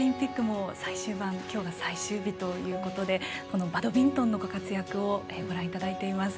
きょうが最終盤、きょうが最終日ということでバドミントンの活躍をご覧いただいています。